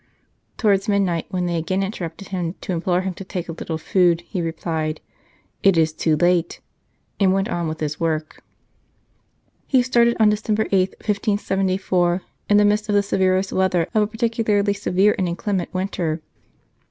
Towards midnight, when they again interrupted him to implore him to take a little food, he replied, "It is too late," and went on with his work. He started on December 8, 1574, in the midst 126 The Jubilee of 1575 of the severest weather of a particularly severe and inclement winter.